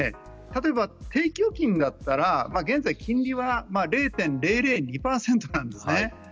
例えば、定期預金だったら現在、金利は０．００２％なんです。